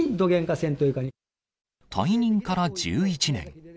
退任から１１年。